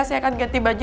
saya akan ganti baju